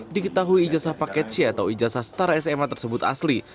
diketahui ijazah paket c atau ijazah setara sma tersebut asli